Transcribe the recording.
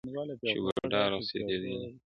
چي بوډا رخصتېدی له هسپتاله!